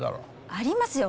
ありますよ！